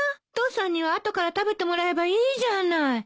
父さんには後から食べてもらえばいいじゃない。